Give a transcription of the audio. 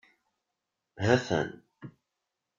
Hatan.